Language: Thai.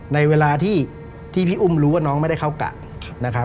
ในเวลาที่พี่อุ้มรู้ว่าน้องไม่ได้เข้ากะนะครับ